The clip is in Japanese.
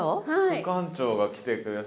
副館長が来てくれた。